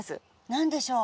何でしょう？